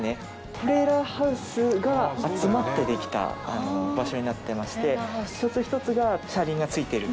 トレーラーハウスが集まってできた場所になっていまして一つ一つが車輪がついている。